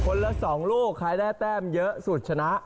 ละ๒ลูกใครได้แต้มเยอะสุดชนะ